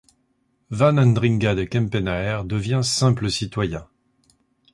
Van Andringa de Kempenaer devient simple citoyen.